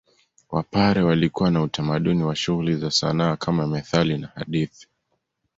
Wapare walikuwa na utamaduni wa shughuli za sanaa kama methali na hadithi